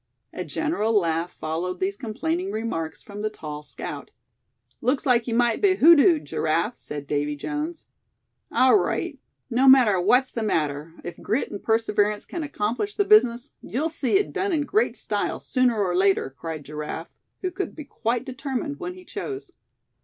A general laugh followed these complaining remarks from the tall scout. "Looks like you might be hoodooed, Giraffe," said Davy Jones. "All right, no matter what's the matter, if grit and perseverance can accomplish the business, you'll see it done in great style sooner or later!" cried Giraffe, who could be quite determined when he chose.